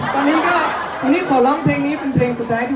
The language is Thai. ตอนนี้ก็วันนี้ขอร้องเพลงนี้เป็นเพลงสุดท้าย